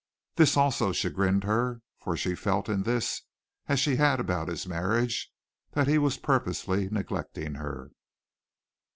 This also chagrined her, for she felt in this as she had about his marriage, that he was purposely neglecting her.